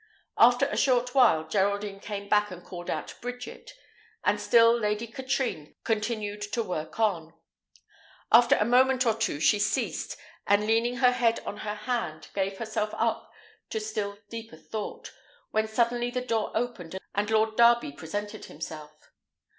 After a short while, Geraldine came back and called out Bridget, and still Lady Katrine continued to work on. After a moment or two she ceased, and leaning her head on her hand, gave herself up to still deeper thought, when suddenly the door opened and Lord Darby presented himself.